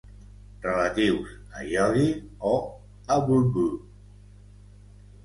Relatius a Iogui o a Bubu.